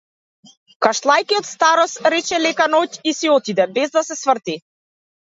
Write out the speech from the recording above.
Кашлајќи од старост, рече лека ноќ и си отиде, без да се сврти.